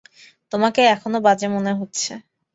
তোমাকে এখনো বাজে মনে হচ্ছে।